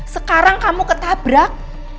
sekarang kamu ketabrak